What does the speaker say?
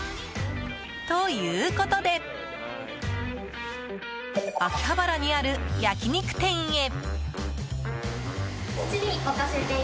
ということで秋葉原にある焼き肉店へ。